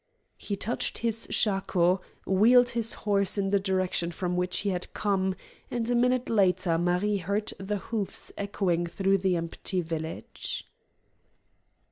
He touched his shako, wheeled his horse in the direction from which he had come, and a minute later Marie heard the hoofs echoing through the empty village.